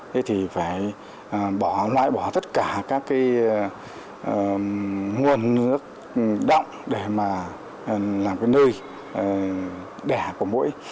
thế thì phải bỏ loại bỏ tất cả các cái nguồn nước động để mà làm cái nơi đẻ của mũi